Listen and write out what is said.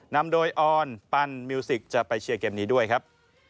นำโดยออนปันมิวสิกจะไปเชียร์เกมนี้ด้วยครับ